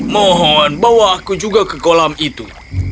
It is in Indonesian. mohon bawa aku juga ke kolam itu